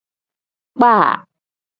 Kpaa.